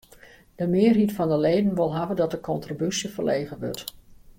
De mearheid fan de leden wol hawwe dat de kontribúsje ferlege wurdt.